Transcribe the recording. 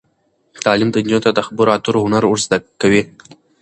تعلیم نجونو ته د خبرو اترو هنر ور زده کوي.